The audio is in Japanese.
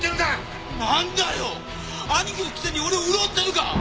なんだよ兄貴のくせに俺を売ろうってのか！